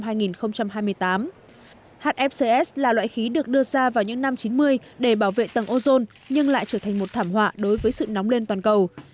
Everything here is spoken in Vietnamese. hfcs là loại khí được đưa ra vào những năm chín mươi để bảo vệ tầng ozone nhưng lại trở thành một thảm họa đối với sự nóng lên toàn cầu